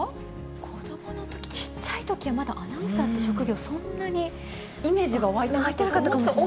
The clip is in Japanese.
子どものとき、ちっちゃいときは、まだアナウンサーって職業、そんなにイメージが湧いてなかったかもしれない。